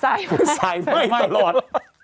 สายไหมสายไหมตลอด